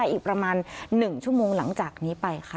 อีกประมาณ๑ชั่วโมงหลังจากนี้ไปค่ะ